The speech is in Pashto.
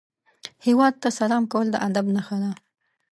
هیواد ته سلام کول د ادب نښه ده